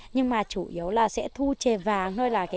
nhưng mà chủ yếu là sẽ thu chè vàng